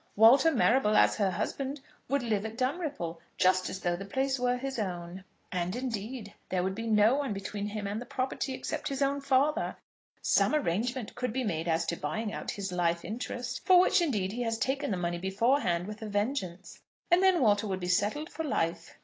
Walter Marrable, as her husband, would live at Dunripple, just as though the place were his own. And indeed there would be no one between him and the property except his own father. Some arrangement could be made as to buying out his life interest, for which indeed he has taken the money beforehand with a vengeance, and then Walter would be settled for life.